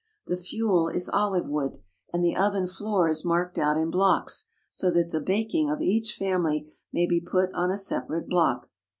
The fuel is olive wood, and the oven floor is marked out in blocks, so that the bak ing of each family may be put on a separate block.